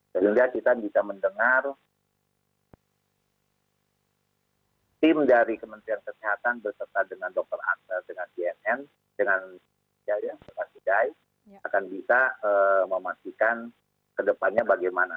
sehingga kita bisa mendengar tim dari kementerian kesehatan berserta dengan dr aksel dengan jnn dengan jaya dengan jaya akan bisa memastikan kedepannya bagaimana